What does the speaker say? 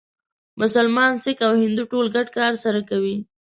مسلمان، سیکه او هندو ټول ګډ کار سره کوي.